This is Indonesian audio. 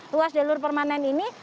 ruas jalur permanen ini